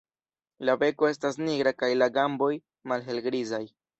La beko estas nigra kaj la gamboj malhelgrizaj.